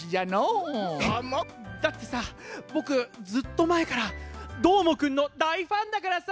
だってさぼくずっとまえからどーもくんの大ファンだからさ。